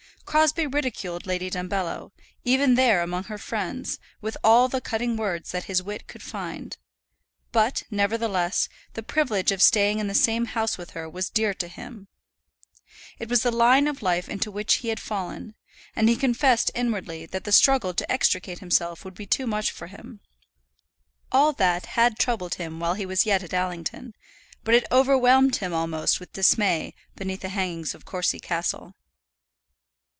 Crosbie ridiculed Lady Dumbello, even there among her friends, with all the cutting words that his wit could find; but, nevertheless, the privilege of staying in the same house with her was dear to him. It was the line of life into which he had fallen, and he confessed inwardly that the struggle to extricate himself would be too much for him. All that had troubled him while he was yet at Allington, but it overwhelmed him almost with dismay beneath the hangings of Courcy Castle.